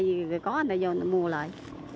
người ta có người ta vô người ta mua lại